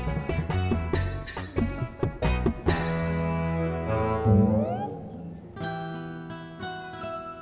mending nya duduk dulu